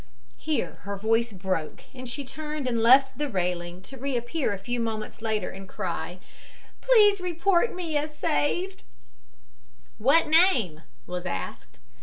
Here her voice broke and she turned and left the railing, to reappear a few moments later and cry: "Please report me as saved." "What name?" was asked.